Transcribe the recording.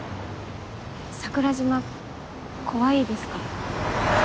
桜島怖いですか？